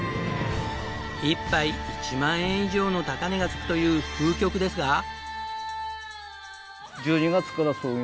１杯１万円以上の高値が付くという風極ですが。